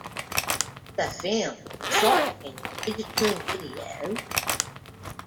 The film was shot in digital video.